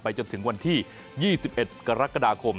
จนถึงวันที่๒๑กรกฎาคม